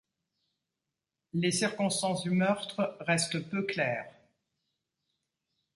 Les circonstances du meurtre restent peu claires.